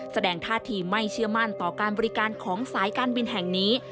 แสดงท่าทีไม่เชื่อมั่นต่อการบริการของสายการบินแห่งนี้